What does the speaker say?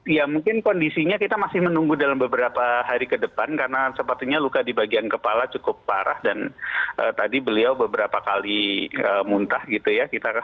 ya mungkin kondisinya kita masih menunggu dalam beberapa hari ke depan karena sepertinya luka di bagian kepala cukup parah dan tadi beliau beberapa kali muntah gitu ya